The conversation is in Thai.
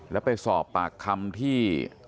แล้วไปสอบปากคำที่